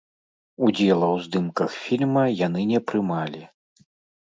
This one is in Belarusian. Удзела ў здымках фільма яны не прымалі.